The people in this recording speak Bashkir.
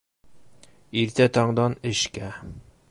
Иртә тандан эшкә.